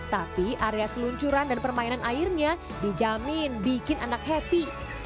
tapi area seluncuran dan permainan airnya dijamin bikin anak happy